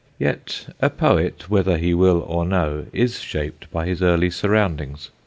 Yet a poet, whether he will or no, is shaped by his early surroundings.